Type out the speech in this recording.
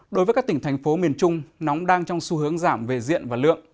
đối với các tỉnh thành phố miền trung nóng đang trong xu hướng giảm về diện và lượng